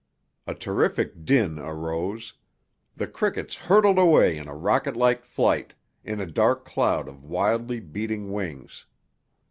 A terrific din arose. The crickets hurtled away in a rocketlike flight, in a dark cloud of wildly beating wings.